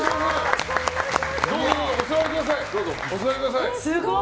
どうぞ、お座りください。